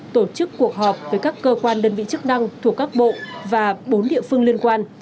tổ chức cuộc họp với các cơ quan đơn vị chức năng thuộc các bộ và bốn địa phương liên quan